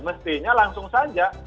mestinya langsung saja